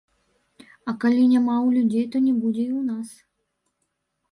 А калі няма ў людзей, то не будзе і ў нас.